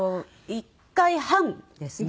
１回半ですね。